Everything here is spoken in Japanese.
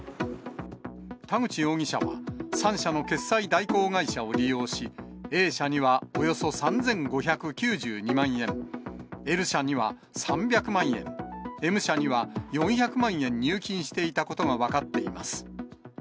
田口容疑者は、３社の決済代行会社を利用し、Ａ社にはおよそ３５９２万円、Ｌ社には３００万円、Ｍ社には４００万円入金していたことが分かっています。